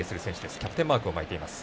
キャプテンマークを巻いています。